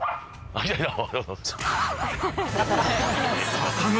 ［坂上